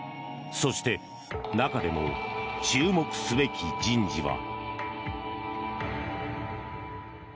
そして中でも注目すべき人事は。